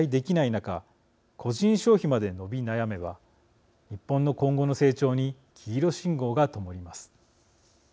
中個人消費まで伸び悩めば日本の今後の成長に黄色信号がともります。